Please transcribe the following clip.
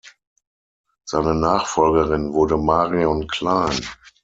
Seine Nachfolgerin wurde Marion Klein.